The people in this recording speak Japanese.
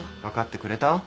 分かってくれた？